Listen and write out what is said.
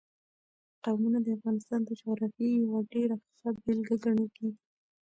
قومونه د افغانستان د جغرافیې یوه ډېره ښه بېلګه ګڼل کېږي.